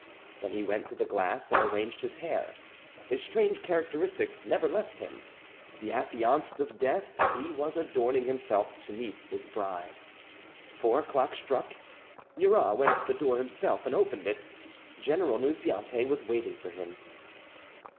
Then he went to the glass and arranged his hair. His strange characteristics never left him. The affianced of Death, he was adorning himself to meet his bride. Four o'clock struck. Murat went to the door himself and opened it. General Nunziante was waiting for him.